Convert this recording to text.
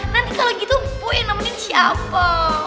nanti kalau gitu bu yang nemenin siapa